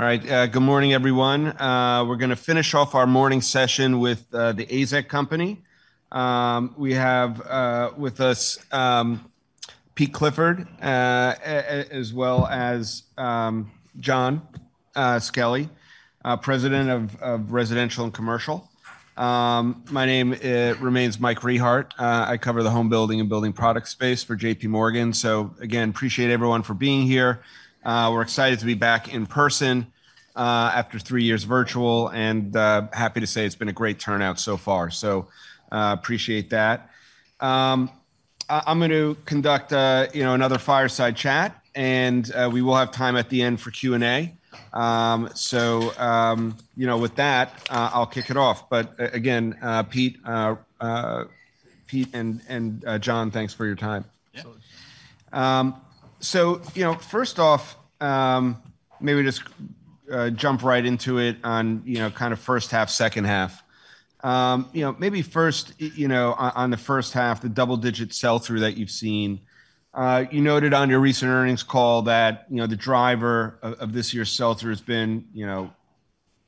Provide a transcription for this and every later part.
All right, good morning everyone. We're going to finish off our morning session with the AZEK Company. We have with us Pete Clifford as well as Jon Skelly, President of Residential and Commercial. My name remains Mike Rehaut. I cover the home building and building product space for JPMorgan. So again, appreciate everyone for being here. We're excited to be back in person after three years virtual and happy to say it's been a great turnout so far. So appreciate that. I'm going to conduct another fireside chat and we will have time at the end for Q&A. So with that, I'll kick it off. But again, Pete and Jon, thanks for your time. Absolutely. So first off, maybe just jump right into it on kind of first half, second half. Maybe first on the first half, the double-digit sell-through that you've seen. You noted on your recent earnings call that the driver of this year's sell-through has been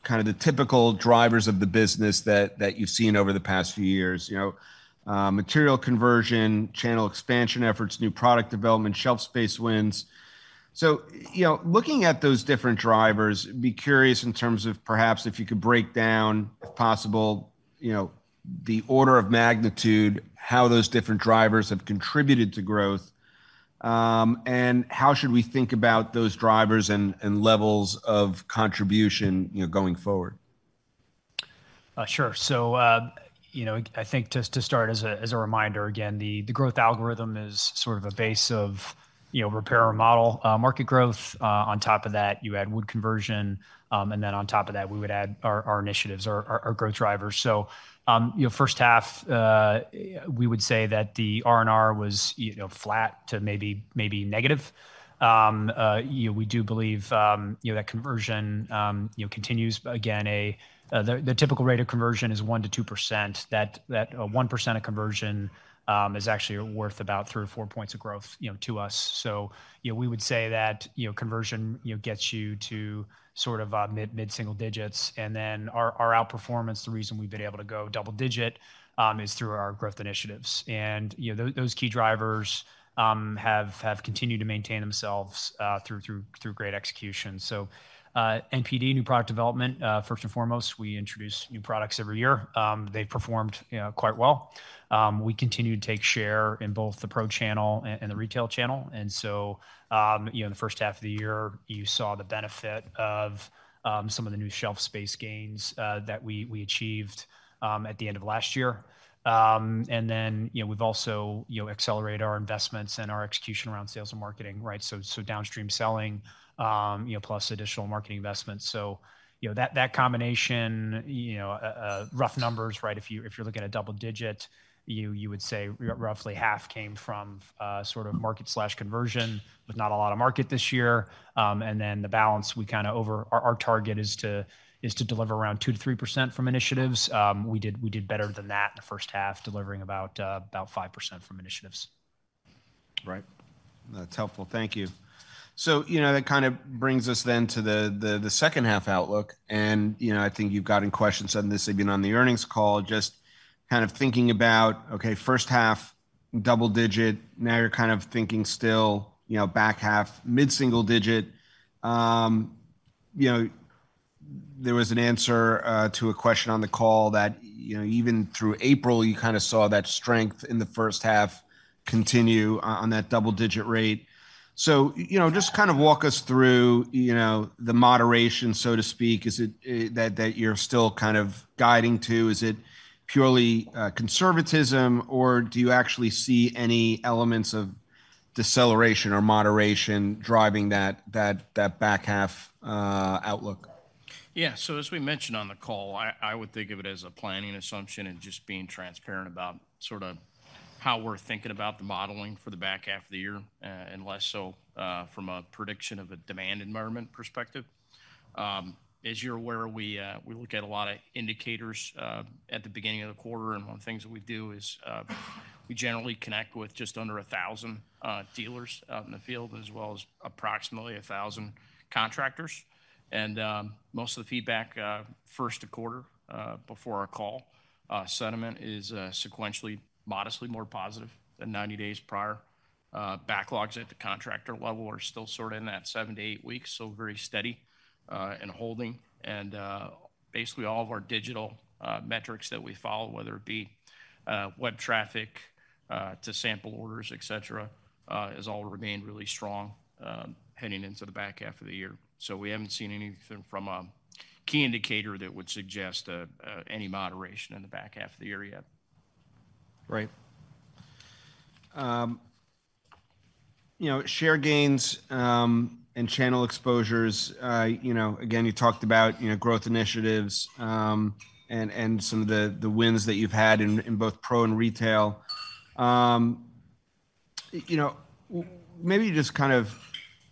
kind of the typical drivers of the business that you've seen over the past few years. Material conversion, channel expansion efforts, new product development, shelf space wins. So looking at those different drivers, be curious in terms of perhaps if you could break down, if possible, the order of magnitude, how those different drivers have contributed to growth and how should we think about those drivers and levels of contribution going forward? Sure. So I think just to start as a reminder, again, the growth algorithm is sort of a base of repair and remodel. Market growth, on top of that you add wood conversion and then on top of that we would add our initiatives, our growth drivers. So first half, we would say that the R&R was flat to maybe negative. We do believe that conversion continues. Again, the typical rate of conversion is 1%-2%. That 1% of conversion is actually worth about 3 or 4 points of growth to us. So we would say that conversion gets you to sort of mid-single digits. And then our outperformance, the reason we've been able to go double-digit is through our growth initiatives. And those key drivers have continued to maintain themselves through great execution. So NPD, new product development, first and foremost, we introduce new products every year. They've performed quite well. We continue to take share in both the pro channel and the retail channel. So in the first half of the year, you saw the benefit of some of the new shelf space gains that we achieved at the end of last year. Then we've also accelerated our investments and our execution around sales and marketing, right? So downstream selling plus additional marketing investments. So that combination, rough numbers, right? If you're looking at a double-digit, you would say roughly half came from sort of market/conversion with not a lot of market this year. Then the balance, we kind of over our target is to deliver around 2%-3% from initiatives. We did better than that in the first half, delivering about 5% from initiatives. Right. That's helpful. Thank you. So that kind of brings us then to the second half outlook. And I think you've gotten questions on this. They've been on the earnings call. Just kind of thinking about, okay, first half, double-digit, now you're kind of thinking still back half, mid-single digit. There was an answer to a question on the call that even through April, you kind of saw that strength in the first half continue on that double-digit rate. So just kind of walk us through the moderation, so to speak, is it that you're still kind of guiding to? Is it purely conservatism or do you actually see any elements of deceleration or moderation driving that back half outlook? Yeah. So as we mentioned on the call, I would think of it as a planning assumption and just being transparent about sort of how we're thinking about the modeling for the back half of the year and less so from a prediction of a demand environment perspective. As you're aware, we look at a lot of indicators at the beginning of the quarter. And one of the things that we do is we generally connect with just under 1,000 dealers out in the field as well as approximately 1,000 contractors. And most of the feedback first quarter before our call sentiment is sequentially, modestly more positive than 90 days prior. Backlogs at the contractor level are still sort of in that 7-8 weeks, so very steady and holding. And basically all of our digital metrics that we follow, whether it be web traffic to sample orders, etc., has all remained really strong heading into the back half of the year. So we haven't seen anything from a key indicator that would suggest any moderation in the back half of the year yet. Right. Share gains and channel exposures. Again, you talked about growth initiatives and some of the wins that you've had in both pro and retail. Maybe just kind of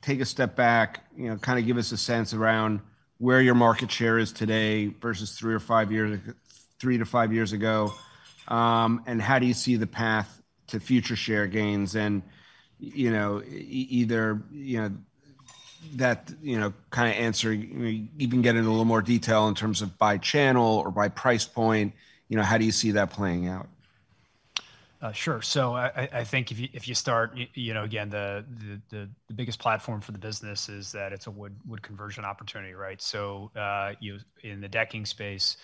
take a step back, kind of give us a sense around where your market share is today versus 3-5 years ago. And how do you see the path to future share gains? And either that kind of answer, you can get into a little more detail in terms of by channel or by price point. How do you see that playing out? Sure. So I think if you start, again, the biggest platform for the business is that it's a wood conversion opportunity, right? So in the decking space,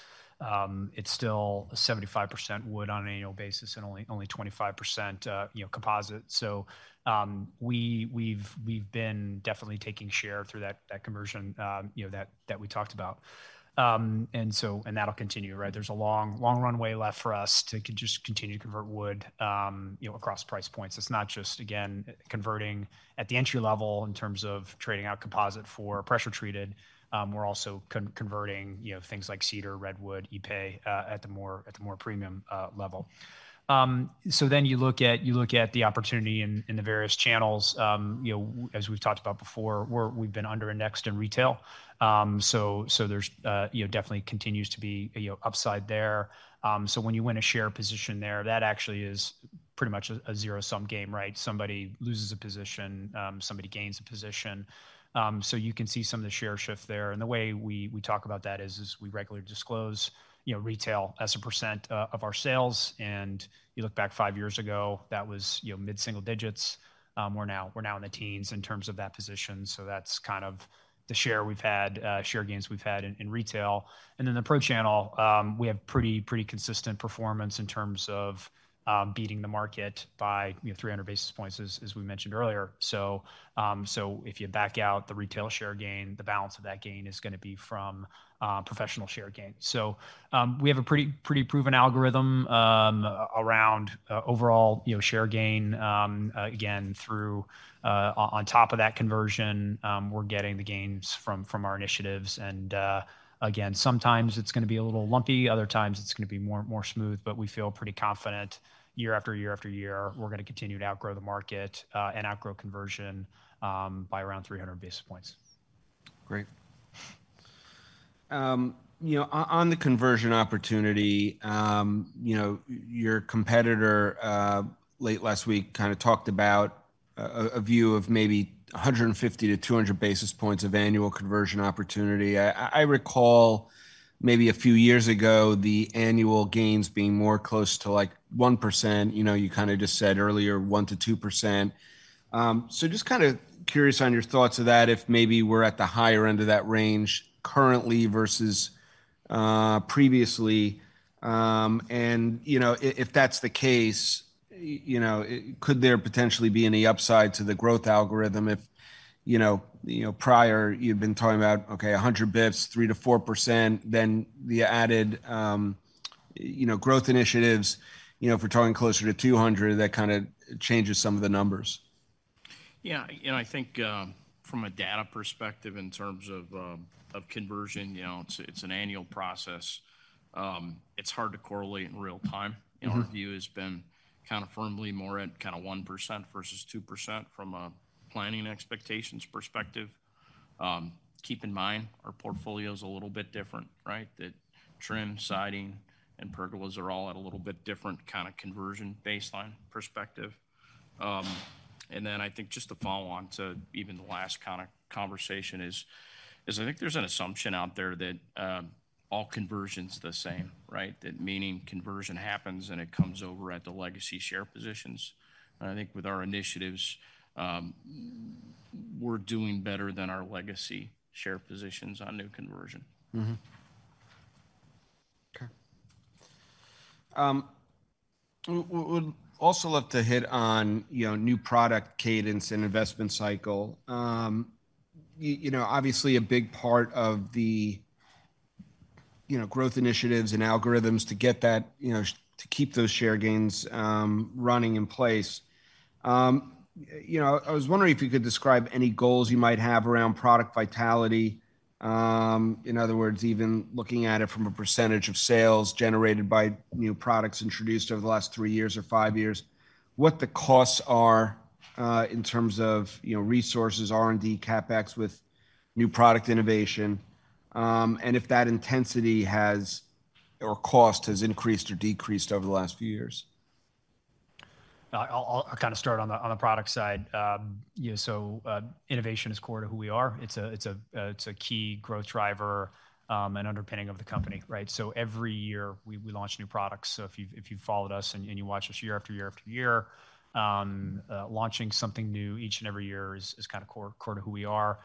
it's still 75% wood on an annual basis and only 25% composite. So we've been definitely taking share through that conversion that we talked about. And that'll continue, right? There's a long runway left for us to just continue to convert wood across price points. It's not just, again, converting at the entry level in terms of trading out composite for pressure treated. We're also converting things like cedar, redwood, Ipe at the more premium level. So then you look at the opportunity in the various channels. As we've talked about before, we've been underindexed in retail. So there definitely continues to be upside there. So when you win a share position there, that actually is pretty much a zero-sum game, right? Somebody loses a position, somebody gains a position. So you can see some of the share shift there. And the way we talk about that is we regularly disclose retail as a percent of our sales. And you look back five years ago, that was mid-single digits. We're now in the teens in terms of that position. So that's kind of the share we've had, share gains we've had in retail. And then the pro channel, we have pretty consistent performance in terms of beating the market by 300 basis points, as we mentioned earlier. So if you back out the retail share gain, the balance of that gain is going to be from professional share gain. So we have a pretty proven algorithm around overall share gain. Again, on top of that conversion, we're getting the gains from our initiatives. Again, sometimes it's going to be a little lumpy, other times it's going to be more smooth. But we feel pretty confident year after year after year, we're going to continue to outgrow the market and outgrow conversion by around 300 basis points. Great. On the conversion opportunity, your competitor late last week kind of talked about a view of maybe 150-200 basis points of annual conversion opportunity. I recall maybe a few years ago the annual gains being more close to like 1%. You kind of just said earlier 1%-2%. So just kind of curious on your thoughts of that, if maybe we're at the higher end of that range currently versus previously. And if that's the case, could there potentially be any upside to the growth algorithm if prior you've been talking about, okay, 100 bips, 3%-4%, then the added growth initiatives, if we're talking closer to 200, that kind of changes some of the numbers? Yeah. I think from a data perspective in terms of conversion, it's an annual process. It's hard to correlate in real time. Our view has been kind of firmly more at kind of 1% versus 2% from a planning expectations perspective. Keep in mind, our portfolio is a little bit different, right? That trim, siding, and pergolas are all at a little bit different kind of conversion baseline perspective. And then I think just to follow on to even the last kind of conversation is I think there's an assumption out there that all conversion is the same, right? That meaning conversion happens and it comes over at the legacy share positions. And I think with our initiatives, we're doing better than our legacy share positions on new conversion. Okay. We'd also love to hit on new product cadence and investment cycle. Obviously, a big part of the growth initiatives and algorithms to get that to keep those share gains running in place. I was wondering if you could describe any goals you might have around product vitality. In other words, even looking at it from a percentage of sales generated by new products introduced over the last three years or five years, what the costs are in terms of resources, R&D, CapEx with new product innovation? And if that intensity has or cost has increased or decreased over the last few years? I'll kind of start on the product side. So innovation is core to who we are. It's a key growth driver and underpinning of the company, right? So every year we launch new products. So if you've followed us and you watch us year after year after year, launching something new each and every year is kind of core to who we are.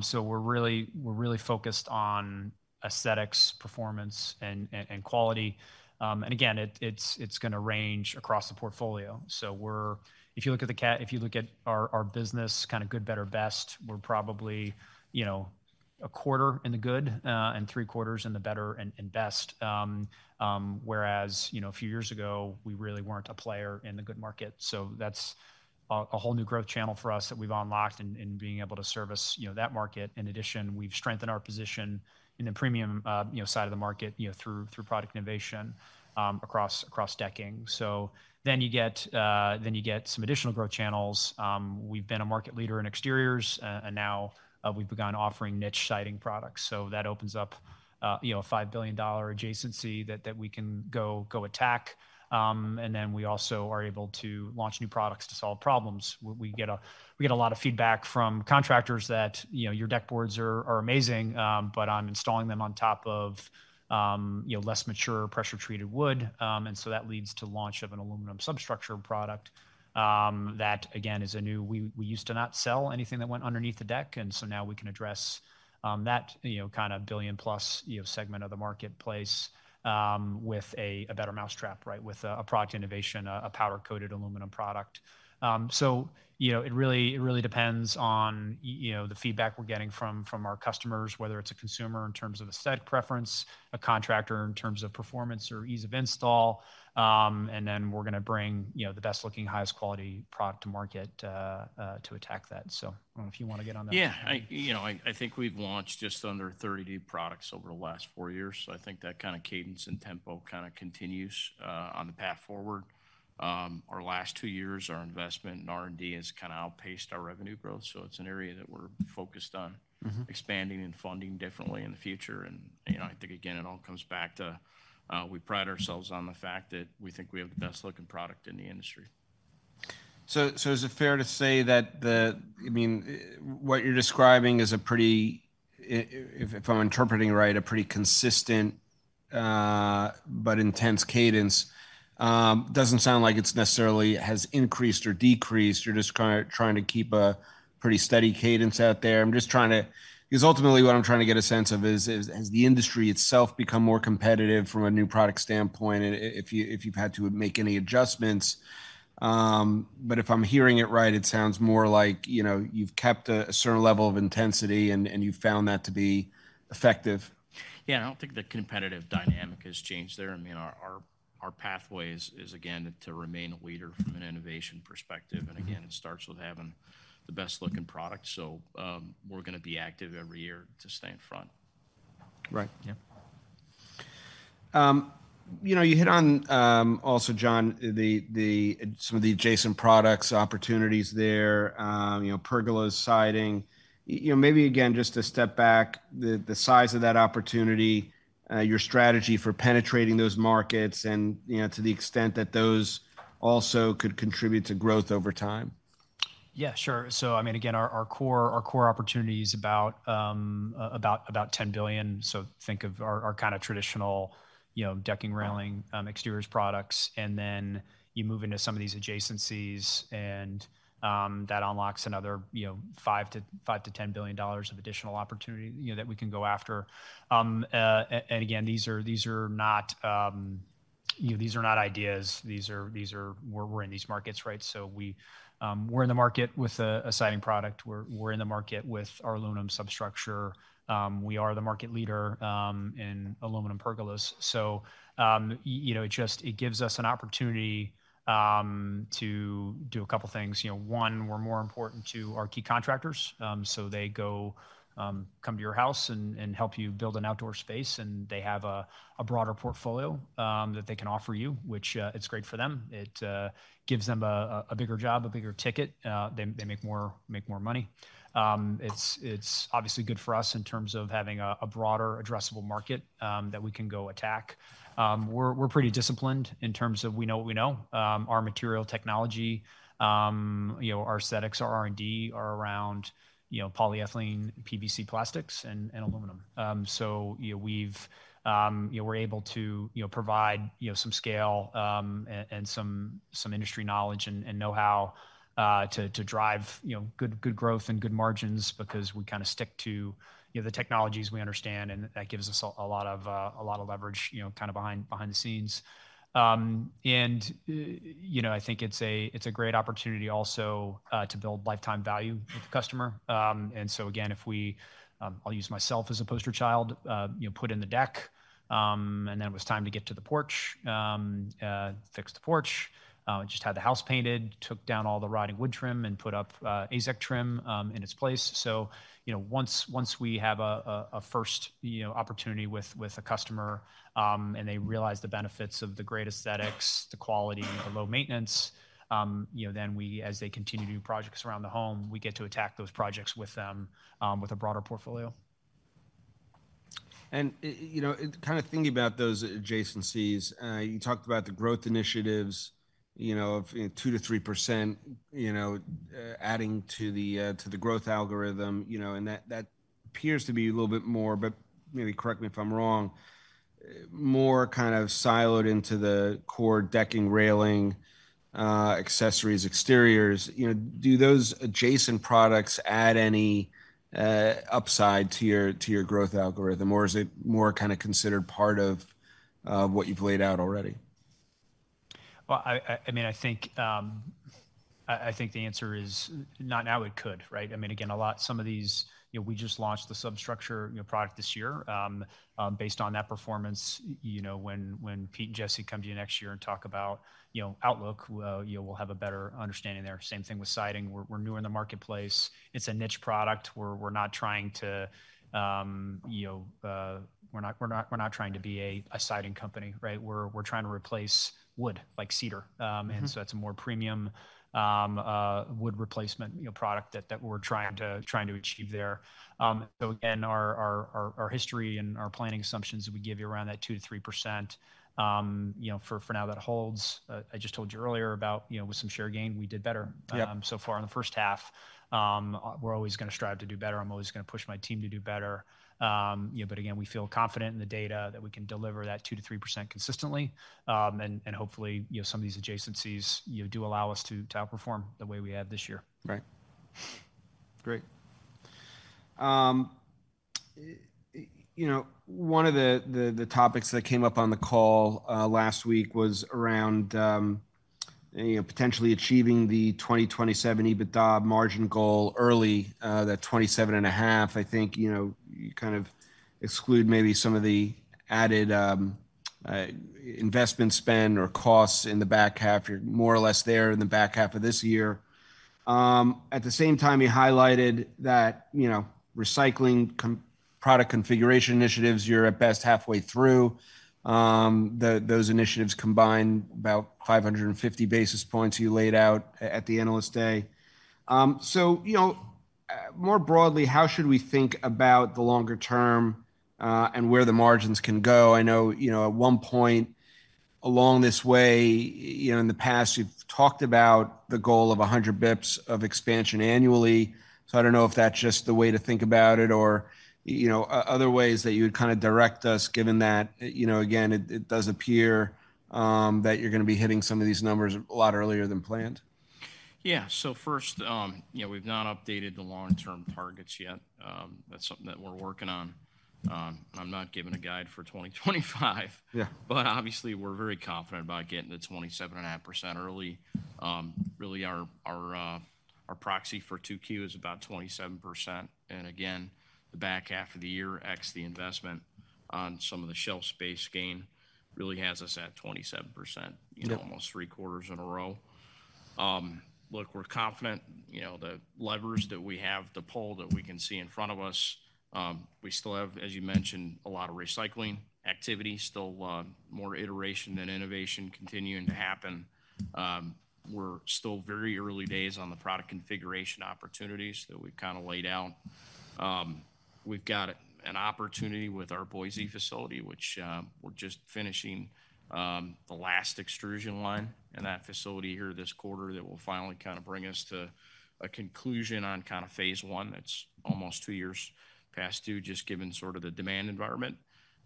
So we're really focused on aesthetics, performance, and quality. And again, it's going to range across the portfolio. So if you look at our business kind of good, better, best, we're probably a quarter in the good and three quarters in the better and best. Whereas a few years ago, we really weren't a player in the good market. So that's a whole new growth channel for us that we've unlocked in being able to service that market. In addition, we've strengthened our position in the premium side of the market through product innovation across decking. So then you get some additional growth channels. We've been a market leader in exteriors and now we've begun offering niche siding products. So that opens up a $5 billion adjacency that we can go attack. And then we also are able to launch new products to solve problems. We get a lot of feedback from contractors that your deckboards are amazing, but I'm installing them on top of less mature pressure treated wood. And so that leads to launch of an aluminum substructure product that, again, is a new we used to not sell anything that went underneath the deck. And so now we can address that kind of billion-plus segment of the marketplace with a better mousetrap, right? With a product innovation, a powder-coated aluminum product. So it really depends on the feedback we're getting from our customers, whether it's a consumer in terms of aesthetic preference, a contractor in terms of performance or ease of install. And then we're going to bring the best looking, highest quality product to market to attack that. So I don't know if you want to get on that. Yeah. I think we've launched just under 30 new products over the last 4 years. I think that kind of cadence and tempo kind of continues on the path forward. Our last 2 years, our investment and R&D has kind of outpaced our revenue growth. It's an area that we're focused on expanding and funding differently in the future. I think, again, it all comes back to we pride ourselves on the fact that we think we have the best looking product in the industry. So is it fair to say that the—I mean, what you're describing is a pretty—if I'm interpreting right—a pretty consistent but intense cadence. Doesn't sound like it's necessarily has increased or decreased. You're just kind of trying to keep a pretty steady cadence out there. I'm just trying to because ultimately what I'm trying to get a sense of is has the industry itself become more competitive from a new product standpoint and if you've had to make any adjustments? But if I'm hearing it right, it sounds more like you've kept a certain level of intensity and you've found that to be effective. Yeah. I don't think the competitive dynamic has changed there. I mean, our pathway is, again, to remain a leader from an innovation perspective. And again, it starts with having the best looking product. So we're going to be active every year to stay in front. Right. Yeah. You hit on also, Jon, some of the adjacent products opportunities there, pergolas, siding. Maybe, again, just to step back, the size of that opportunity, your strategy for penetrating those markets and to the extent that those also could contribute to growth over time. Yeah. Sure. So I mean, again, our core opportunity is about $10 billion. So think of our kind of traditional decking, railing, exteriors products. And then you move into some of these adjacencies and that unlocks another $5 billion-$10 billion of additional opportunity that we can go after. And again, these are not ideas. We're in these markets, right? So we're in the market with a siding product. We're in the market with our aluminum substructure. We are the market leader in aluminum pergolas. So it gives us an opportunity to do a couple of things. One, we're more important to our key contractors. So they come to your house and help you build an outdoor space. And they have a broader portfolio that they can offer you, which it's great for them. It gives them a bigger job, a bigger ticket. They make more money. It's obviously good for us in terms of having a broader addressable market that we can go attack. We're pretty disciplined in terms of we know what we know. Our material technology, our aesthetics, our R&D are around polyethylene, PVC plastics, and aluminum. So we're able to provide some scale and some industry knowledge and know-how to drive good growth and good margins because we kind of stick to the technologies we understand. And that gives us a lot of leverage kind of behind the scenes. And I think it's a great opportunity also to build lifetime value with the customer. And so again, if we I'll use myself as a poster child, put in the deck. And then it was time to get to the porch, fix the porch. Just had the house painted, took down all the rotting wood trim, and put up AZEK Trim in its place. So once we have a first opportunity with a customer and they realize the benefits of the great aesthetics, the quality, the low maintenance, then we, as they continue to do projects around the home, we get to attack those projects with them with a broader portfolio. Kind of thinking about those adjacencies, you talked about the growth initiatives of 2%-3% adding to the growth algorithm. And that appears to be a little bit more, but maybe correct me if I'm wrong, more kind of siloed into the core decking, railing, accessories, exteriors. Do those adjacent products add any upside to your growth algorithm? Or is it more kind of considered part of what you've laid out already? Well, I mean, I think the answer is not now; it could, right? I mean, again, a lot, some of these we just launched the substructure product this year. Based on that performance, when Pete and Jesse come to you next year and talk about outlook, we'll have a better understanding there. Same thing with siding. We're new in the marketplace. It's a niche product. We're not trying to be a siding company, right? We're trying to replace wood, like cedar. And so it's a more premium wood replacement product that we're trying to achieve there. So again, our history and our planning assumptions that we give you around that 2%-3%, for now that holds. I just told you earlier about with some share gain, we did better so far in the first half. We're always going to strive to do better. I'm always going to push my team to do better. But again, we feel confident in the data that we can deliver that 2%-3% consistently. And hopefully, some of these adjacencies do allow us to outperform the way we have this year. Great. One of the topics that came up on the call last week was around potentially achieving the 2027 EBITDA margin goal early, that 27.5%. I think you kind of exclude maybe some of the added investment spend or costs in the back half. You're more or less there in the back half of this year. At the same time, you highlighted that recycling product configuration initiatives, you're at best halfway through. Those initiatives combine about 550 basis points you laid out at the analyst day. So more broadly, how should we think about the longer term and where the margins can go? I know at one point along this way in the past, you've talked about the goal of 100 Bips of expansion annually. I don't know if that's just the way to think about it or other ways that you would kind of direct us given that, again, it does appear that you're going to be hitting some of these numbers a lot earlier than planned. Yeah. So first, we've not updated the long-term targets yet. That's something that we're working on. I'm not giving a guide for 2025. But obviously, we're very confident about getting to 27.5% early. Really, our proxy for 2Q is about 27%. And again, the back half of the year, ex the investment on some of the shelf space gain, really has us at 27%, almost three quarters in a row. Look, we're confident the levers that we have, the pull that we can see in front of us, we still have, as you mentioned, a lot of recycling activity, still more iteration than innovation continuing to happen. We're still very early days on the product configuration opportunities that we've kind of laid out. We've got an opportunity with our Boise facility, which we're just finishing the last extrusion line in that facility here this quarter that will finally kind of bring us to a conclusion on kind of phase one. It's almost 2 years past due just given sort of the demand environment.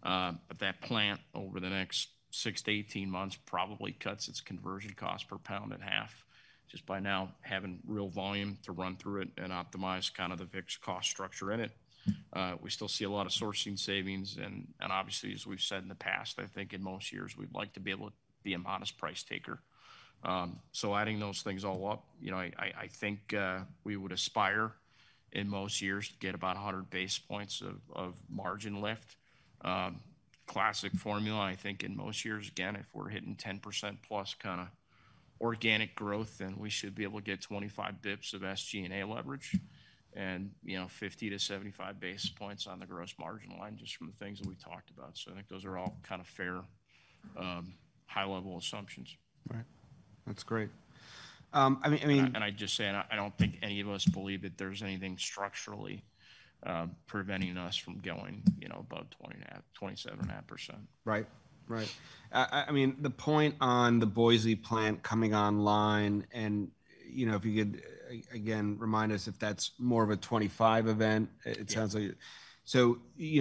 But that plant over the next 6-18 months probably cuts its conversion cost per pound in half just by now having real volume to run through it and optimize kind of the fixed cost structure in it. We still see a lot of sourcing savings. And obviously, as we've said in the past, I think in most years, we'd like to be able to be a modest price taker. So adding those things all up, I think we would aspire in most years to get about 100 basis points of margin lift. Classic formula, I think in most years, again, if we're hitting 10%+ kind of organic growth, then we should be able to get 25 basis points of SG&A leverage and 50-75 basis points on the gross margin line just from the things that we've talked about. So I think those are all kind of fair high-level assumptions. Right. That's great. I mean. I just say, and I don't think any of us believe that there's anything structurally preventing us from going above 27.5%. Right. Right. I mean, the point on the Boise plant coming online and if you could, again, remind us if that's more of a 2025 event, it sounds like it. So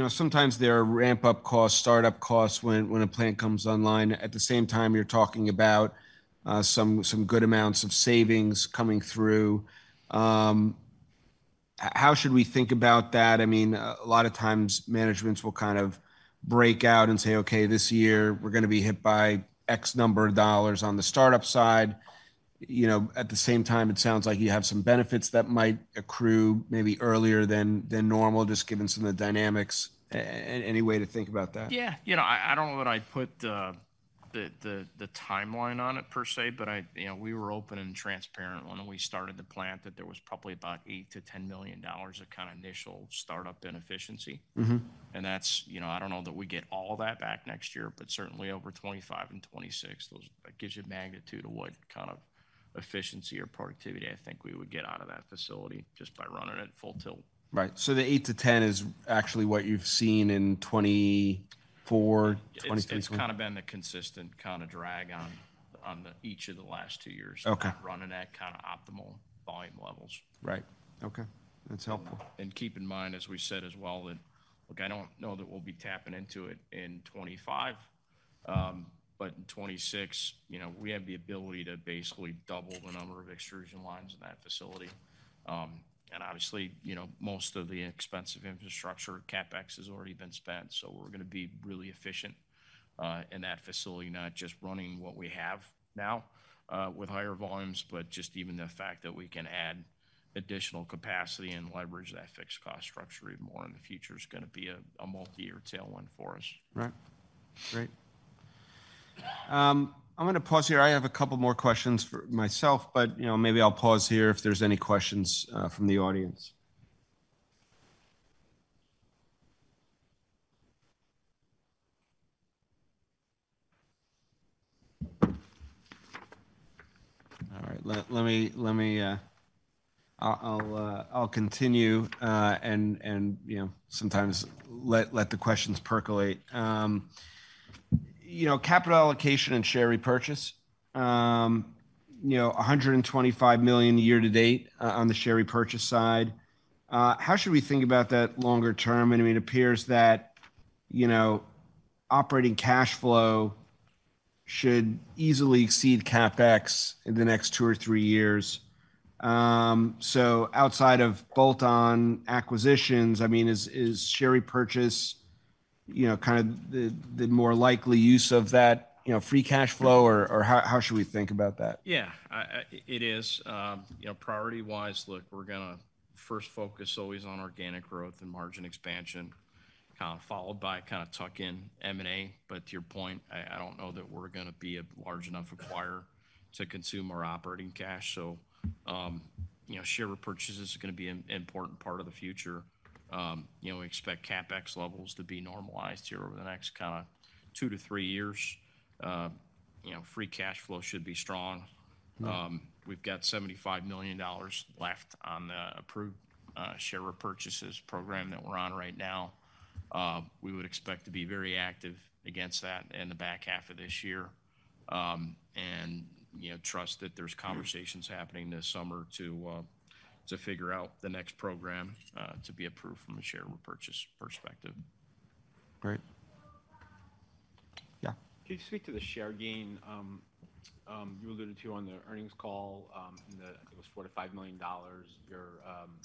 sometimes there are ramp-up costs, startup costs when a plant comes online. At the same time, you're talking about some good amounts of savings coming through. How should we think about that? I mean, a lot of times, managements will kind of break out and say, "Okay, this year, we're going to be hit by X number of dollars on the startup side." At the same time, it sounds like you have some benefits that might accrue maybe earlier than normal just given some of the dynamics. Any way to think about that? Yeah. I don't know that I'd put the timeline on it per se, but we were open and transparent when we started the plant that there was probably about $8 million-$10 million of kind of initial startup inefficiency. I don't know that we get all that back next year, but certainly over 2025 and 2026, that gives you magnitude of what kind of efficiency or productivity I think we would get out of that facility just by running it full tilt. Right. So the 8-10 is actually what you've seen in 2024, 2023? It's kind of been the consistent kind of drag on each of the last two years running at kind of optimal volume levels. Right. Okay. That's helpful. Keep in mind, as we said as well, that look, I don't know that we'll be tapping into it in 2025. In 2026, we have the ability to basically double the number of extrusion lines in that facility. Obviously, most of the expensive infrastructure, CapEx, has already been spent. We're going to be really efficient in that facility, not just running what we have now with higher volumes, but just even the fact that we can add additional capacity and leverage that fixed cost structure even more in the future is going to be a multi-year tailwind for us. Right. Great. I'm going to pause here. I have a couple more questions for myself, but maybe I'll pause here if there's any questions from the audience. All right. I'll continue and sometimes let the questions percolate. Capital allocation and share repurchase, $125 million year to date on the share repurchase side. How should we think about that longer term? And I mean, it appears that operating cash flow should easily exceed CapEx in the next two or three years. So outside of bolt-on acquisitions, I mean, is share repurchase kind of the more likely use of that free cash flow? Or how should we think about that? Yeah. It is. Priority-wise, look, we're going to first focus always on organic growth and margin expansion, kind of followed by kind of tuck-in M&A. But to your point, I don't know that we're going to be a large enough acquirer to consume our operating cash. So share repurchases are going to be an important part of the future. We expect CapEx levels to be normalized here over the next kind of 2-3 years. Free cash flow should be strong. We've got $75 million left on the approved share repurchases program that we're on right now. We would expect to be very active against that in the back half of this year and trust that there's conversations happening this summer to figure out the next program to be approved from a share repurchase perspective. Great. Yeah. Can you speak to the share gain you alluded to on the earnings call? I think it was $4 million-$5 million you're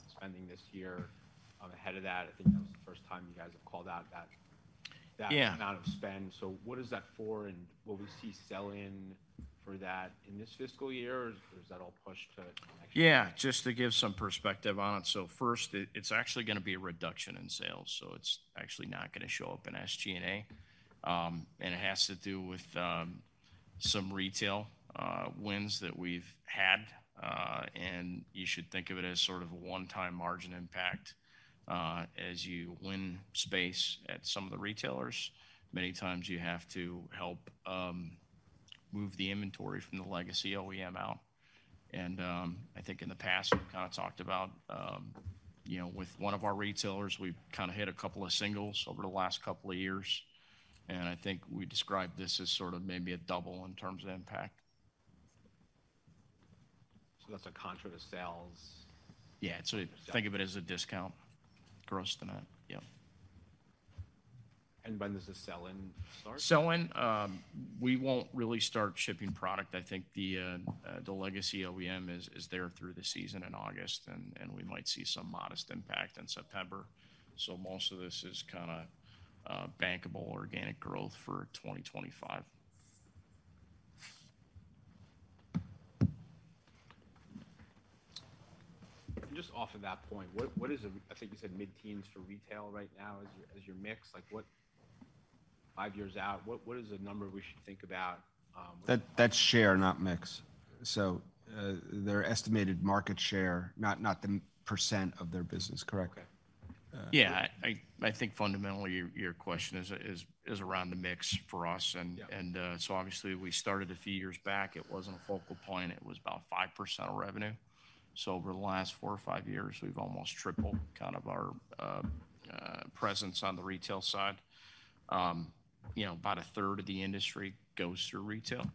spending this year. Ahead of that, I think that was the first time you guys have called out that amount of spend. So what is that for? And will we see sell-in for that in this fiscal year? Or is that all pushed to next year? Yeah. Just to give some perspective on it. So first, it's actually going to be a reduction in sales. So it's actually not going to show up in SG&A. And it has to do with some retail wins that we've had. And you should think of it as sort of a one-time margin impact as you win space at some of the retailers. Many times, you have to help move the inventory from the legacy OEM out. And I think in the past, we've kind of talked about with one of our retailers, we've kind of hit a couple of singles over the last couple of years. And I think we describe this as sort of maybe a double in terms of impact. So that's a contra to sales? Yeah. So think of it as a discount gross than that. Yep. When does the sell-in start? Sell-in? We won't really start shipping product. I think the legacy OEM is there through the season in August. We might see some modest impact in September. Most of this is kind of bankable organic growth for 2025. Just off of that point, what is, I think you said, mid-teens for retail right now as your mix? Five years out, what is a number we should think about? That's share, not mix. So their estimated market share, not the percent of their business, correct? Yeah. I think fundamentally, your question is around the mix for us. And so obviously, we started a few years back. It wasn't a focal point. It was about 5% of revenue. So over the last four or five years, we've almost tripled kind of our presence on the retail side. About a third of the industry goes through retail.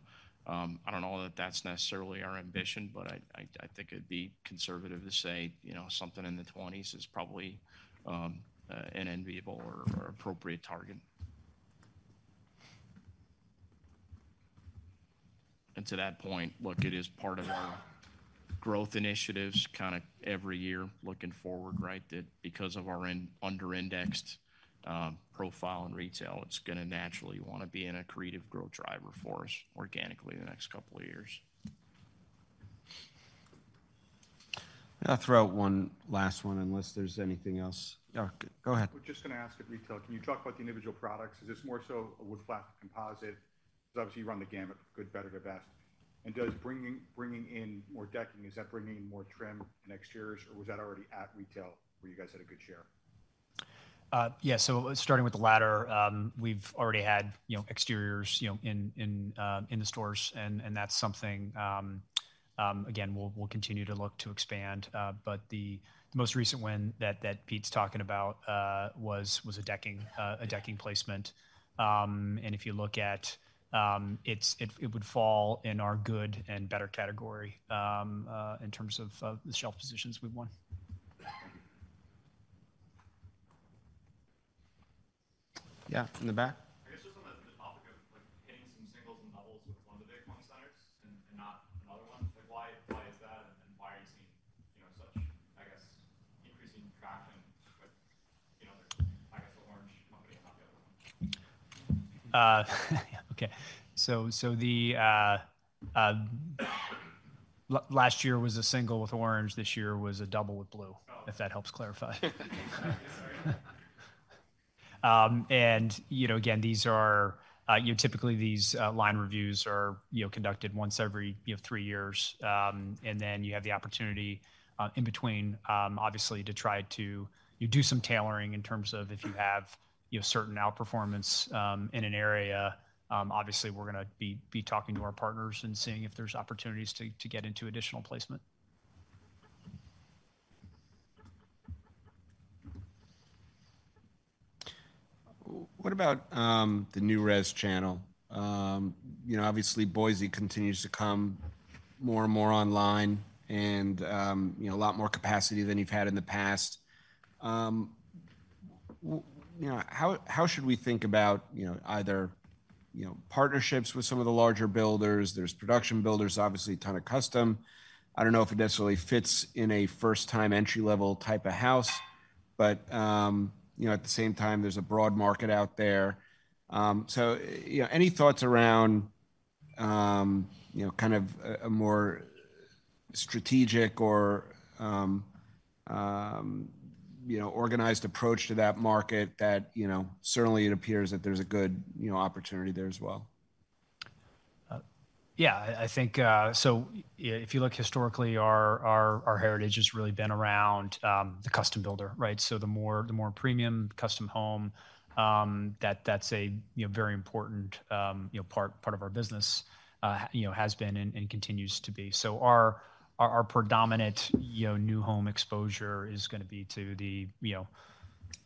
I don't know that that's necessarily our ambition, but I think it'd be conservative to say something in the 20s is probably an enviable or appropriate target. And to that point, look, it is part of our growth initiatives kind of every year looking forward, right, that because of our under-indexed profile in retail, it's going to naturally want to be in a creative growth driver for us organically the next couple of years. I'll throw out one last one unless there's anything else. Oh, go ahead. We're just going to ask at retail, can you talk about the individual products? Is this more so with flat to composite? Because obviously, you run the gamut of good, better, to best. And does bringing in more decking, is that bringing in more trim and exteriors? Or was that already at retail where you guys had a good share? Yeah. So starting with the latter, we've already had exteriors in the stores. And that's something, again, we'll continue to look to expand. But the most recent win that Pete's talking about was a decking placement. And if you look at it, it would fall in our good and better category in terms of the shelf positions we've won. Yeah. In the back? I guess just on the topic of hitting some singles and doubles with one of the big box centers and not another one, why is that? Why are you seeing such, I guess, increasing traction with, I guess, the Orange company and not the other one? Yeah. Okay. So last year was a single with Orange. This year was a double with Blue, if that helps clarify. And again, typically, these line reviews are conducted once every three years. And then you have the opportunity in between, obviously, to try to do some tailoring in terms of if you have certain outperformance in an area. Obviously, we're going to be talking to our partners and seeing if there's opportunities to get into additional placement. What about the new res channel? Obviously, Boise continues to come more and more online and a lot more capacity than you've had in the past. How should we think about either partnerships with some of the larger builders? There's production builders, obviously, a ton of custom. I don't know if it necessarily fits in a first-time entry-level type of house. But at the same time, there's a broad market out there. So any thoughts around kind of a more strategic or organized approach to that market that certainly, it appears that there's a good opportunity there as well? Yeah. So if you look historically, our heritage has really been around the custom builder, right? So the more premium custom home, that's a very important part of our business has been and continues to be. So our predominant new home exposure is going to be to the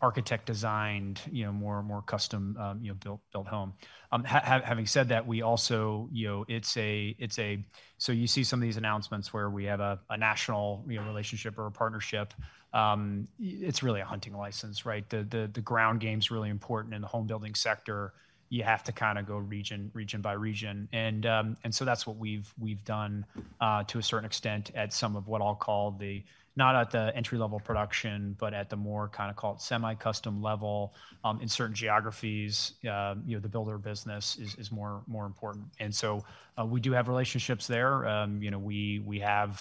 architect-designed, more custom-built home. Having said that, it's, so you see some of these announcements where we have a national relationship or a partnership. It's really a hunting license, right? The ground game's really important in the home-building sector. You have to kind of go region by region. And so that's what we've done to a certain extent at some of what I'll call the not at the entry-level production, but at the more kind of called semi-custom level. In certain geographies, the builder business is more important. And so we do have relationships there. We have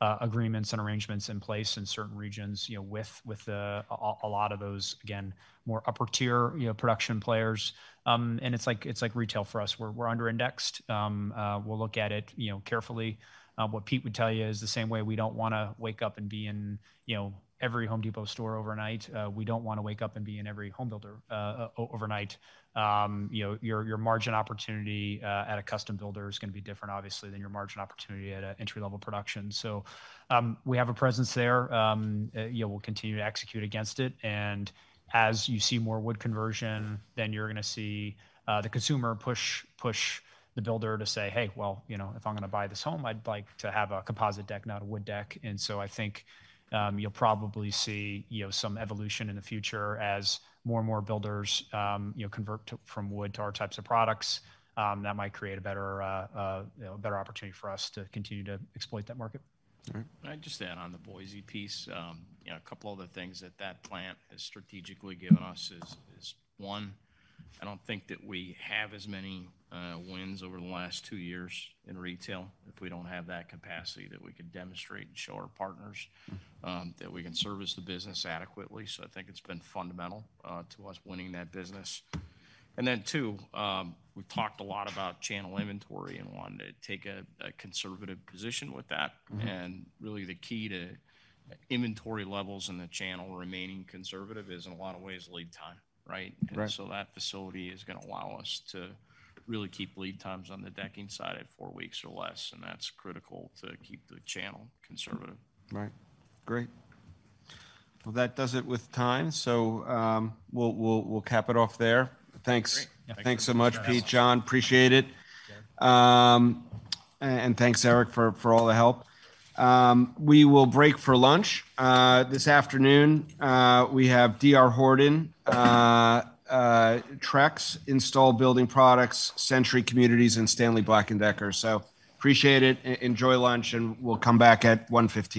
agreements and arrangements in place in certain regions with a lot of those, again, more upper-tier production players. It's like retail for us. We're under-indexed. We'll look at it carefully. What Pete would tell you is the same way. We don't want to wake up and be in every Home Depot store overnight. We don't want to wake up and be in every home builder overnight. Your margin opportunity at a custom builder is going to be different, obviously, than your margin opportunity at an entry-level production. We have a presence there. We'll continue to execute against it. As you see more wood conversion, then you're going to see the consumer push the builder to say, "Hey, well, if I'm going to buy this home, I'd like to have a composite deck, not a wood deck." And so I think you'll probably see some evolution in the future as more and more builders convert from wood to our types of products. That might create a better opportunity for us to continue to exploit that market. All right. I'd just add on the Boise piece. A couple other things that that plant has strategically given us is, one, I don't think that we have as many wins over the last 2 years in retail if we don't have that capacity that we could demonstrate and show our partners, that we can service the business adequately. So I think it's been fundamental to us winning that business. And then two, we've talked a lot about channel inventory and wanting to take a conservative position with that. And really, the key to inventory levels in the channel remaining conservative is, in a lot of ways, lead time, right? And so that facility is going to allow us to really keep lead times on the decking side at 4 weeks or less. And that's critical to keep the channel conservative. Right. Great. Well, that does it with time. So we'll cap it off there. Thanks. Thanks so much, Pete. Jon, appreciate it. And thanks, Eric, for all the help. We will break for lunch. This afternoon, we have D.R. Horton, Trex, Installed Building Products, Century Communities, and Stanley Black & Decker. So appreciate it. Enjoy lunch. And we'll come back at 1:15 P.M.